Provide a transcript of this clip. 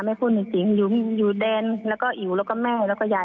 วันที่๑เมษาค่ะ